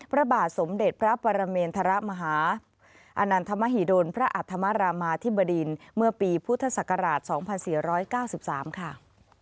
พระบาทสมเด็จพระประเมนธรมหาอันนันต์ธรรมหิดลพระอัตธรรมาธิบดินเมื่อปีพุทธศักราชสองพันสี่ร้อยเก้าสิบสามค่ะ